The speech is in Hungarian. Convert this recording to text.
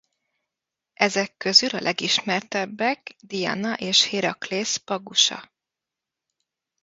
Ezek közül a legismertebbek Diana és Héraklész pagusa.